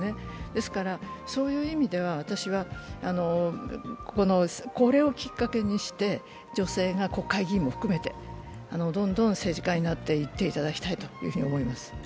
ですからそういう意味では私は、これをきっかけにして女性が国会議員も含めて、どんどん政治家になっていっていただきたいと思います。